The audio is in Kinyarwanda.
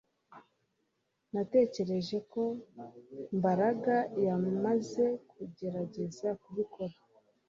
Natekereje ko Mbaraga yamaze kugerageza kubikora